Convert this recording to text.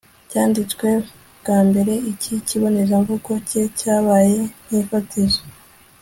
cyanditswe bwa mbere . iki kibonezamvugo ke cyabaye nk'ifatizo